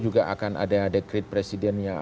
juga akan ada dekret presiden yang